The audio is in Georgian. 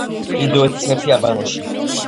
ინდოეთის მეფე აბანოში